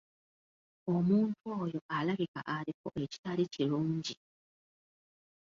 Omuntu oyo alabika aliko ekitali kirungi.